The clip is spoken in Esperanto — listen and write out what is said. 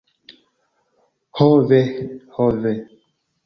Ho ve! Ho ve.